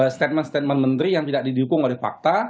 statement statement menteri yang tidak didukung oleh fakta